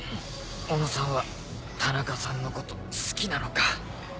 小野さんは田中さんのこと好きなのか